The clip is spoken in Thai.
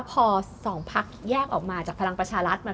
พอสองภักดิ์แยกออกมาจากพลังปัชธรัฐ